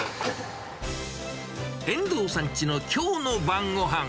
遠藤さんちのきょうの晩ごはん。